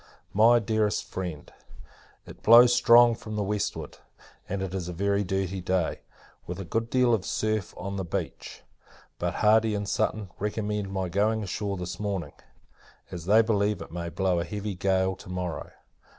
MY DEAREST FRIEND, It blows strong from the westward, and is a very dirty day, with a good deal of surf on the beach; but Hardy and Sutton recommended my going on shore this morning, as they believe it may blow a heavy gale to morrow.